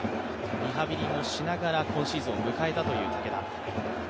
リハビリもしながら今シーズンを迎えたという武田。